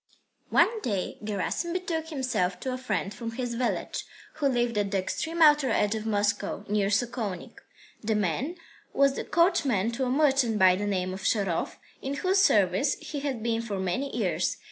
II One day Gerasim betook himself to a friend from his village, who lived at the extreme outer edge of Moscow, near Sokolnik. The man was coachman to a merchant by the name of Sharov, in whose service he had been for many years.